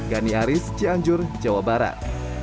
gani aris cianjur jawa barat